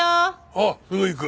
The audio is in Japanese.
ああすぐ行く。